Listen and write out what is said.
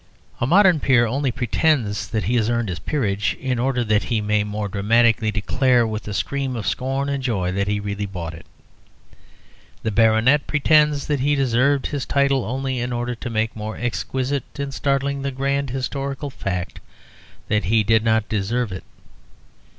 A modern peer only pretends that he has earned his peerage in order that he may more dramatically declare, with a scream of scorn and joy, that he really bought it. The Baronet pretends that he deserved his title only in order to make more exquisite and startling the grand historical fact that he did not deserve it.